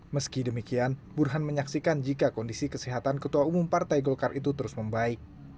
meski demikian burhan menyaksikan jika kondisi kesehatan ketua umum partai golkar itu terus membaik